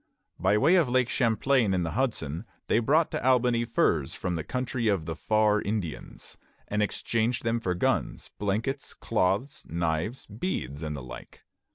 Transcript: By way of Lake Champlain and the Hudson they brought to Albany furs from the country of the "Far Indians," and exchanged them for guns, blankets, cloths, knives, beads, and the like.